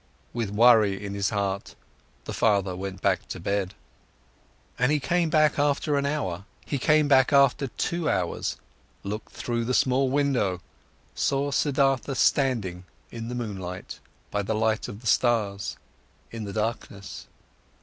With worry in his heart, the father went back to bed. And he came back after an hour, he came back after two hours, looked through the small window, saw Siddhartha standing, in the moon light, by the light of the stars, in the darkness.